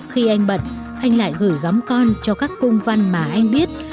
khi anh bận anh lại gửi gắm con cho các cung văn mà anh biết